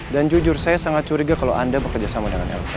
dan jujur saya sangat curiga kalau anda bekerja sama dengan elsa